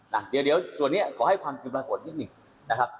นะเดี๋ยวส่วนนี้ขอให้ความจริงปรากฏนิดหนึ่งนะครับ